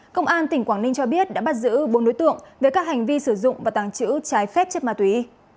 công an tỉnh quảng ninh cho biết đã bắt giữ bốn đối tượng về các hành vi sử dụng và tàng trữ trái phép chất ma túy